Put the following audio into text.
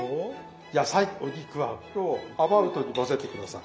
野菜お肉餡をアバウトに混ぜて下さい。